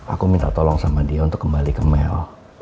aku minta tolong sama dia untuk kembali ke mel